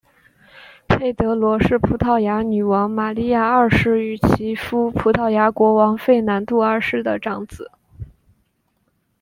佩德罗是葡萄牙女王玛莉亚二世与其夫葡萄牙国王费南度二世的长子。